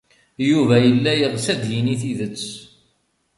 Yuba yella yeɣs ad d-yini tidet.